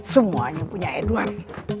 semuanya punya edward